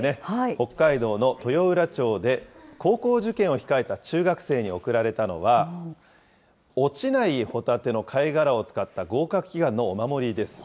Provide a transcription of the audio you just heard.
北海道の豊浦町で、高校受験を控えた中学生に贈られたのは、落ちないホタテの貝殻を使った合格祈願のお守りです。